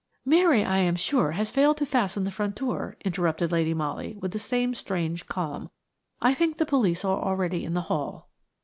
"Mary, I am sure, has failed to fasten the front door," interrupted Lady Molly, with the same strange calm. "I think the police are already in the hall."